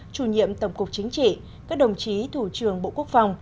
chủ nhiệm tổng cục chính trị các đồng chí thủ trưởng bộ quốc phòng